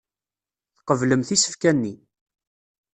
Tqeblemt isefka-nni.